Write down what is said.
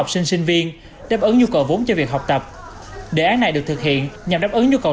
học sinh sinh viên đáp ứng nhu cầu vốn cho việc học tập đề án này được thực hiện nhằm đáp ứng nhu cầu